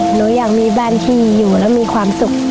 หนูอยากมีบ้านที่อยู่แล้วมีความสุข